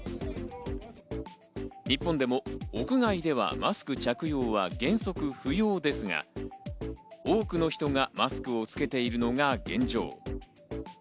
日本でも屋外ではマスク着用は原則不要ですが、多くの人がマスクをつけているのが現状。